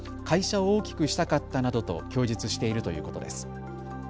会社を大きくしたかったなどと供述しているということです。